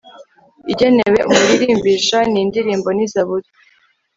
igenewe umuririmbisha. ni indirimbo. ni zaburi